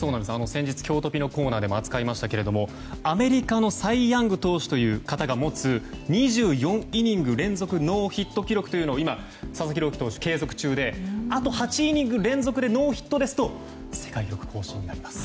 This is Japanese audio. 先日、きょうトピのコーナーでも扱いましたけどもアメリカのサイ・ヤング投手という方が持つ２４イニング連続ノーヒット記録というのを今、佐々木朗希投手、継続中であと８イニング連続でノーヒットですと世界記録更新になります。